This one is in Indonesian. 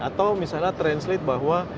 atau misalnya translate bahwa